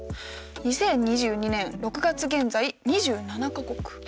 ２０２２年６月現在２７か国。